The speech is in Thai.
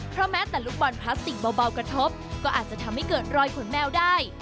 เพราะแม้แต่ลูกบอลพลาสติกเบากระทบก็อาจจะทำให้เกิดรอยขนแมวได้